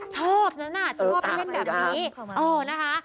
ชอบน่ะชอบให้เป็นแบบนี้เออนะคะ